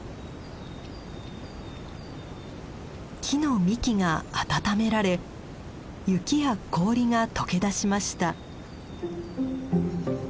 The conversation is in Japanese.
木の幹が温められ雪や氷が解けだしました。